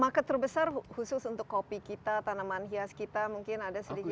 market terbesar khusus untuk kopi kita tanaman hias kita mungkin ada sedikit